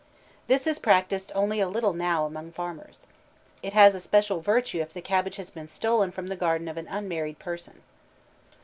This is practised only a little now among farmers. It has special virtue if the cabbage has been stolen from the garden of an unmarried person.